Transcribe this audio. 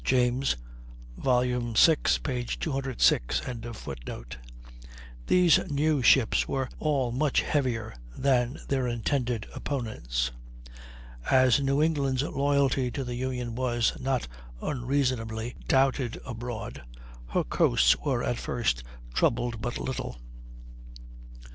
James. vi, p. 206] These new ships were all much heavier than their intended opponents. As New England's loyalty to the Union was, not unreasonably, doubted abroad, her coasts were at first troubled but little.